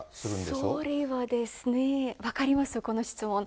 それはですね、分かります、この質問。